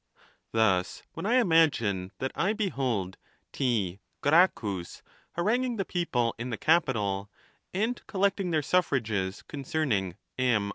Thus, when I imagine that I be hold T. Gracchus hai anguing the people in the Capitol, and collecting their suffrages concerning M.